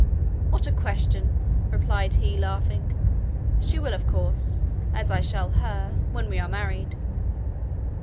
"What a question," replied he laughing. "She will of course, as I shall her, when we are married."